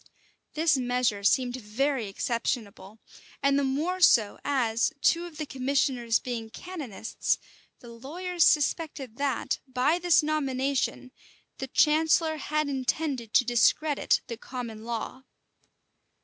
This measure seemed very exceptionable; and the more so, as, two of the commissioners being canonists, the lawyers suspected that, by this nomination, the chancellor had intended to discredit the common law.